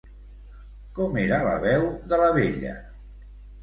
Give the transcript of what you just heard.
Com era la veu de la vella?